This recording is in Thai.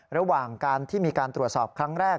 ระหว่างการที่มีการตรวจสอบครั้งแรก